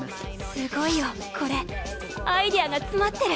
すごいよ、これアイデアが詰まってる。